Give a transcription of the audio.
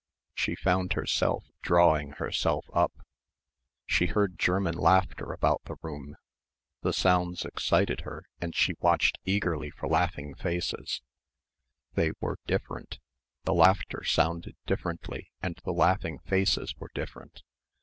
She found herself drawing herself up. She heard German laughter about the room. The sounds excited her and she watched eagerly for laughing faces.... They were different.... The laughter sounded differently and the laughing faces were different.